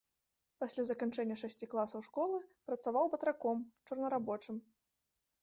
Пасля заканчэння шасці класаў школы працаваў батраком, чорнарабочым.